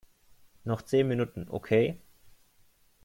Noch zehn Minuten, okay?